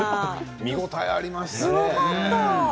見応えありましたね。